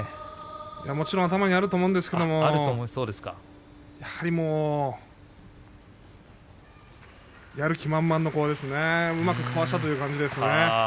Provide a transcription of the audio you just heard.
もちろん、頭にはあると思うんですけれどやはり、やる気満々ですねうまくかわしたという感じですね。